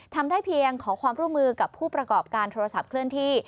ทำได้เพียงขอความร่วมมือกับผู้ประกอบการโทรศัพท์เคลื่อนที่